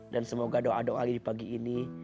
dan semoga doa doa ini pagi ini